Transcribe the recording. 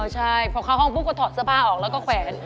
อ๋อใช่เพราะเข้าห้องตกก็ถอดเสื้อผ้าออกแล้วก็เขวน